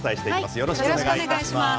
よろしくお願いします。